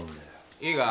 いいか。